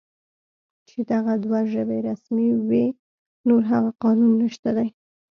چې دغه دوه ژبې رسمي وې، نور هغه قانون نشته دی